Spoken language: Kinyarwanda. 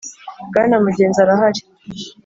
Bwana mugenzi arahari.